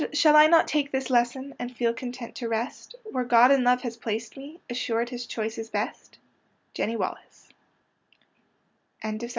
Shall I not take this lesson, And feel content to rest Where God in love has placed me, Assured his choice is best?